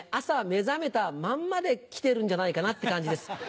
朝目覚めたまんまで来てるんじゃないかなって感じです。